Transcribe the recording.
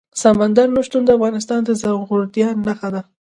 سمندر نه شتون د افغانستان د زرغونتیا نښه ده.